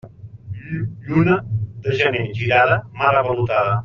Lluna de gener girada, mar avalotada.